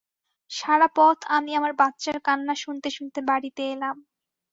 সারাপথ আমি আমার বাচ্চার কান্না শুনতে শুনতে বাড়িতে এলাম।